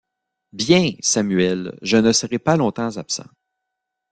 Bien, Samuel ; je ne serai pas longtemps absent.